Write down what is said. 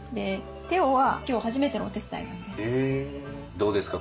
どうですか？